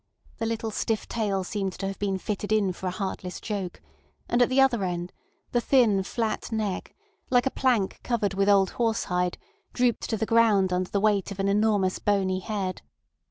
The little stiff tail seemed to have been fitted in for a heartless joke; and at the other end the thin, flat neck, like a plank covered with old horse hide, drooped to the ground under the weight of an enormous bony head.